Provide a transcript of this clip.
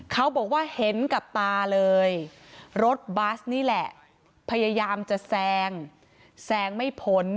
เขาบอกว่าเห็นกับตาเลยรถบัสนี่แหละพยายามจะแซงแซงไม่พ้น